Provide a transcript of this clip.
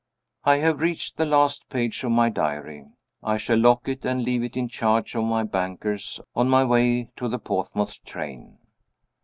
I have reached the last page of my diary. I shall lock it, and leave it in charge of my bankers, on my way to the Portsmouth train.